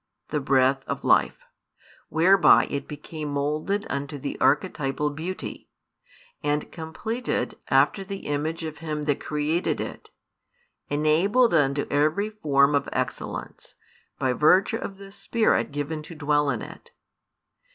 the Breath of Life, whereby it became moulded unto the archetypal Beauty, and completed after the image of Him that created it, enabled unto every form of excellence, by virtue of the Spirit given to dwell in it.